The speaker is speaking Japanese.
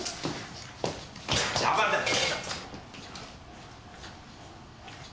邪魔だよ！